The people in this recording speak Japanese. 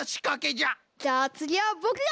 じゃあつぎはぼくが！